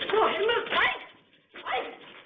ไห้